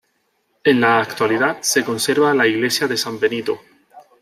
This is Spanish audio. En la actualidad se conserva la Iglesia de San Benito.